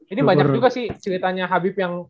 ini banyak juga sih ceritanya habib yang